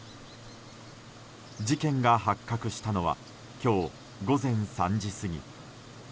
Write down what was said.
事件が発覚したのは今日午前３時過ぎ。